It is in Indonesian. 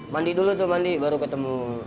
mandi dulu tuh mandi baru ketemu